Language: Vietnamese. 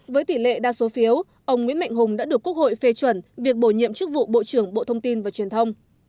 với tỷ lệ đa số phiếu ông nguyễn mạnh hùng đã được quốc hội phê chuẩn việc bổ nhiệm chức vụ bộ trưởng bộ thông tin và truyền thông